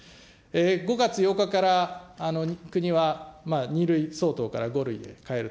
５月８日から国は２類相当から５類に変えると。